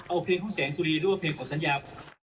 เอาเพลงของแสงสุรีหรือว่าเพลงของสัญญา